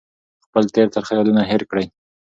خپل تېر ترخه یادونه هېر کړئ.